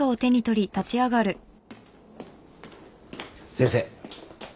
先生